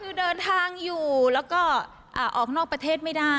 คือเดินทางอยู่แล้วก็ออกนอกประเทศไม่ได้